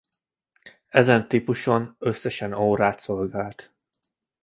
Ezen a típuson összesen órát szolgált.